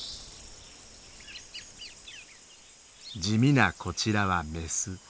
地味なこちらはメス。